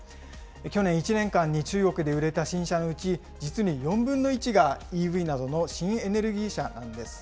去年１年間に中国で売れた新車のうち、実に４分の１が、ＥＶなどの新エネルギー車なんです。